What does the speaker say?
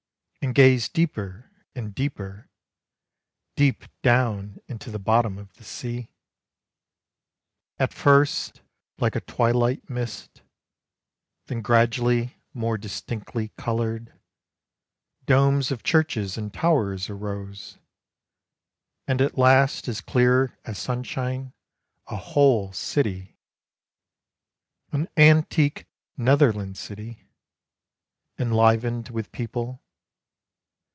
And gazed deeper and deeper, Deep down into the bottom of the sea. At first like a twilight mist, Then gradually more distinctly colored, Domes of churches and towers arose, And at last, as clear as sunshine, a whole city, An antique Netherland city, Enlivened with people.